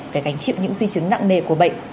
phải gánh chịu những di chứng nặng nề của bệnh